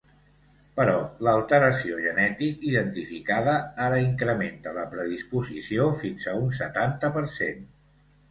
Però l’alteració genètic identificada ara incrementa la predisposició fins a un setanta per cent.